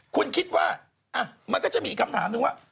คุณคิดว่ามันก็จะมีอีกคำถามนึงว่า